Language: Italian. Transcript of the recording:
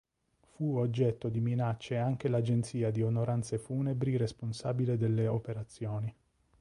Fu oggetto di minacce anche l'agenzia di onoranze funebri responsabile delle operazioni.